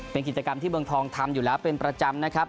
เป็นกิจกรรมที่เมืองทองทำอยู่แล้วเป็นประจำนะครับ